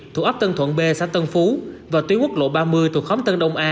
thuộc ấp tân thuận b xã tân phú và tuyến quốc lộ ba mươi thuộc khóm tân đông a